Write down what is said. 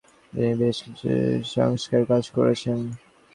তিনি বেশ কিছু সংস্কার কাজ করেছেন।